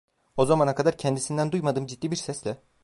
O zamana kadar kendisinden duymadığım ciddi bir sesle…